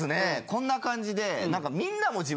こんな感じで。